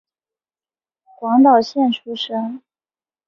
广岛县出身。